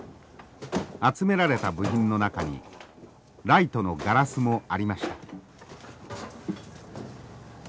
集められた部品の中にライトのガラスもありました。